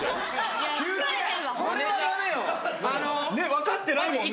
分かってないもんね。